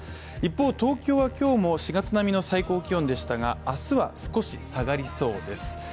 一方、東京は今日も４月並みの最高気温でしたが明日は少し下がりそうです。